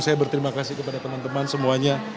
saya berterima kasih kepada teman teman semuanya